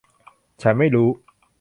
ฉันไม่รู้